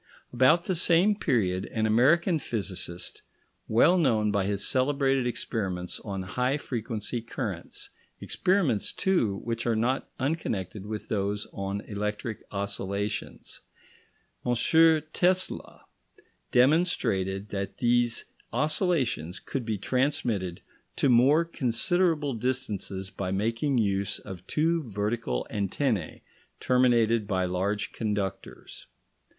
About the same period an American physicist, well known by his celebrated experiments on high frequency currents experiments, too, which are not unconnected with those on electric oscillations, M. Tesla, demonstrated that these oscillations could be transmitted to more considerable distances by making use of two vertical antennae, terminated by large conductors.